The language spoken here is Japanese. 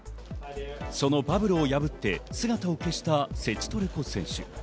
そのバブルをやぶって姿を消したセチトレコ選手。